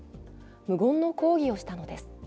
無言の抗議をしたのです。